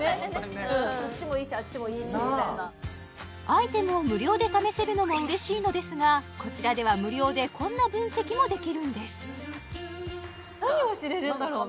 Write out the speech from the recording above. こっちもいいしあっちもいいしみたいなアイテムを無料で試せるのも嬉しいのですがこちらでは無料でこんな分析もできるんです何を知れるんだろうね？